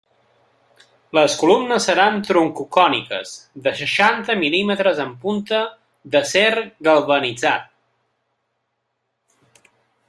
Les columnes seran troncocòniques, de seixanta mil·límetres en punta, d'acer galvanitzat.